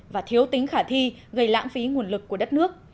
và thiếu tính khả thi gây lãng phí nguồn lực của đất nước